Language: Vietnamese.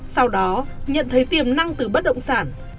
sau đó nhận thấy tiềm năng từ bất động sản